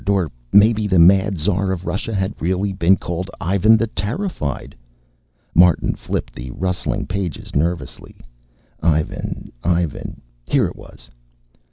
Or maybe the Mad Tsar of Russia had really been called Ivan the Terrified. Martin flipped the rustling pages nervously. Ivan, Ivan here it was.